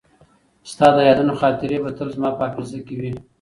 ستا د یادونو خاطرې به تل زما په حافظه کې وي.